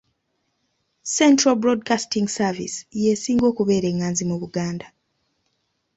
Central Broadcasting Service y'esinga okubeera enganzi mu Buganda.